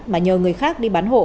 mà nhờ người khác đi bán hộ